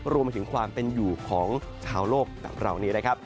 รวมไปถึงความเป็นอยู่ของชาวโลกแบบเรานี้นะครับ